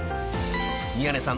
［宮根さん